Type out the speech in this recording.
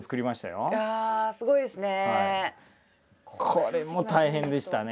これも大変でしたね。